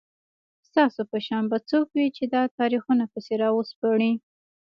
ستاسو په شان به څوک وي چي دا تاریخونه پسي راوسپړي